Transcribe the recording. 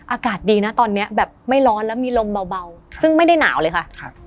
อากาศดีนะตอนนี้แบบไม่ร้อนแล้วมีลมเบาซึ่งไม่ได้หนาวเลยค่ะครับ